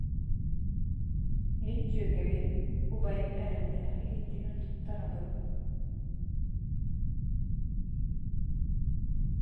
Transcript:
Мин дьүөгэбин убайым эрэллээх илиитигэр туттарабын